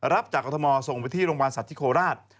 รับจากกรทมส่งไปที่โรงพยาบาลสัตว์ที่โคราช